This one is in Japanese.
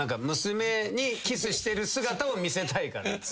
娘にキスしてる姿を見せたいから。